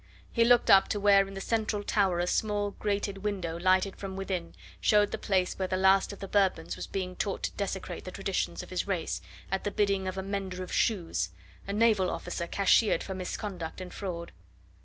He looked up to where in the central tower a small grated window lighted from within showed the place where the last of the Bourbons was being taught to desecrate the traditions of his race, at the bidding of a mender of shoes a naval officer cashiered for misconduct and fraud.